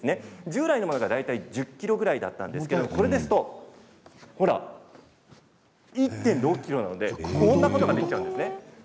従来のものが大体１０ｋｇぐらいだったんですけれどこれですと、ほら１．６ｋｇなのでこんなことができちゃうんですね。